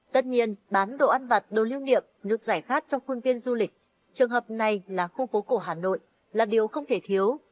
tất nhiên bán đồ ăn vặt đồ lưu niệm nước giải khát trong khuôn viên du lịch trường hợp này là khu phố cổ hà nội là điều không thể thiếu